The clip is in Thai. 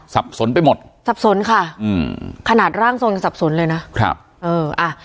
สับสนไปหมดสับสนค่ะอืมขนาดร่างทรงยังสับสนเลยนะครับเอออ่ะ